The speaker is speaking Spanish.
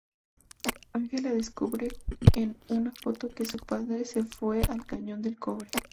Angela descubre en una foto que su padre se fue al Cañón del Cobre.